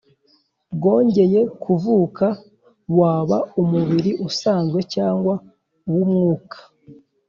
bwongeye kuvuka, waba umubiri usanzwe cyangwa uw’umwuka.